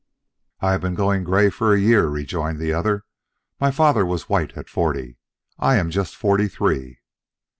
"I have been growing gray for a year," rejoined the other. "My father was white at forty; I am just forty three."